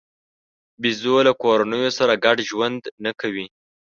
بیزو له کورنیو سره ګډ ژوند نه کوي.